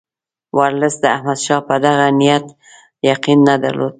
ورلسټ د احمدشاه په دغه نیت یقین نه درلود.